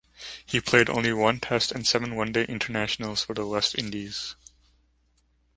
He played only one Test and seven One Day Internationals for the West Indies.